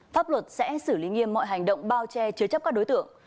pháp luật sẽ xử lý nghiêm mọi hành động bao che chứa chấp các đối tượng